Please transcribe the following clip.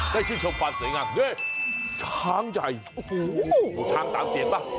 ได้ชื่อชมฟันเสียงงามเฮ้ยช้างใหญ่โอ้โหรู้ช้างตามเถียนป่ะ